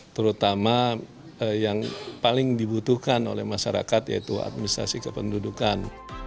terutama yang paling dibutuhkan oleh masyarakat yaitu administrasi kependudukan